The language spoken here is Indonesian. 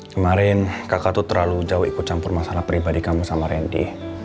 kemarin kakak tuh terlalu jauh ikut campur masalah pribadi kamu sama randy